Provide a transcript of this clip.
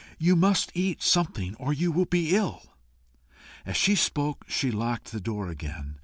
You must eat something, or you will be ill." As she spoke she locked the door again.